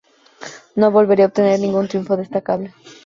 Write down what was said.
No volvería a obtener ningún triunfo destacable.